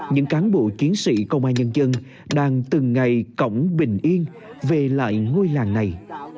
những cán bộ chiến sĩ công an nhân dân đang từng ngày cổng bình yên về lại ngôi làng này